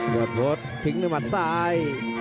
ยอดพจน์ทิ้งด้วยมัดซ้าย